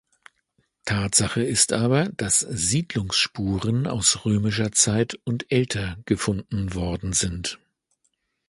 Tatsache ist aber, dass Siedlungsspuren aus römischer Zeit und älter gefunden worden sind.